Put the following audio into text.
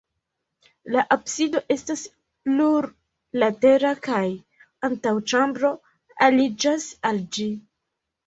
La absido estas plurlatera kaj antaŭĉambro aliĝas al ĝi.